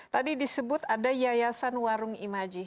tadi disebut ada yayasan warung imaji